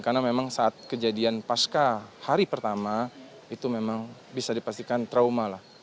karena memang saat kejadian pasca hari pertama itu memang bisa dipastikan trauma lah